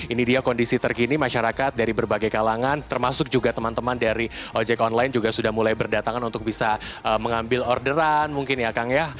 ini dia kondisi terkini masyarakat dari berbagai kalangan termasuk juga teman teman dari ojek online juga sudah mulai berdatangan untuk bisa mengambil orderan mungkin ya kang ya